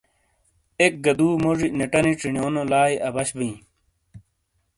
اک گہ دُو موجی نیٹانی چینیونو لائی اَبش بِیں۔